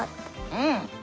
うん！